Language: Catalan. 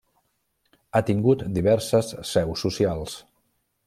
Ha tingut diverses seus socials.